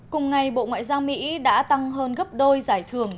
cùng ngày bộ ngoại giao mỹ đã tăng hơn gấp đôi giải thưởng